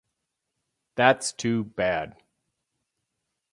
That's too bad.